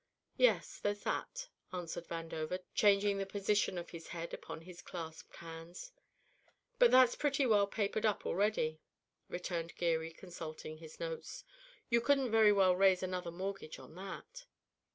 "Yes, there's that," answered Vandover, changing the position of his head upon his clasped hands. "But that's pretty well papered up already," returned Geary, consulting his notes. "You couldn't very well raise another mortgage on that.'"